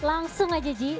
langsung aja ji